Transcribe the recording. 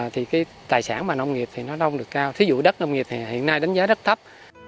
thì cái tài sản mà nông nghiệp thì nó đông được cao thí dụ đất nông nghiệp thì hiện nay đánh giá rất thấp